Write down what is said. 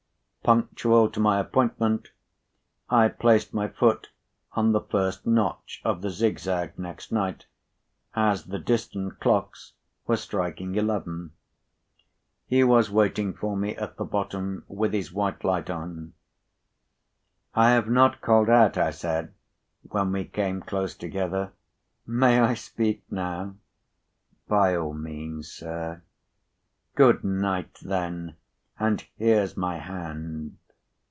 Punctual to my appointment, I placed my p. 98foot on the first notch of the zig zag next night, as the distant clocks were striking eleven. He was waiting for me at the bottom, with his white light on. "I have not called out," I said, when we came close together; "may I speak now?" "By all means, sir." "Good night then, and here's my hand."